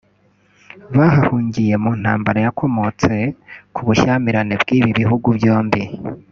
bahahungiye mu ntambara yakomotse ku bushyamirane bw’ibi bihugu byombi